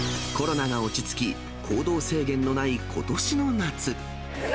コロナが落ち着き、行動制限のないことしの夏。